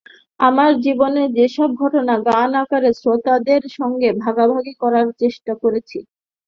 আমার জীবনের সেসব ঘটনা গান আকারে শ্রোতাদের সঙ্গে ভাগাভাগির চেষ্টা করেছি।